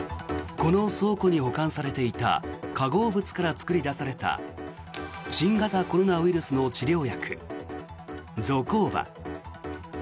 この倉庫に保管されていた化合物から作り出された新型コロナウイルスの治療薬ゾコーバ。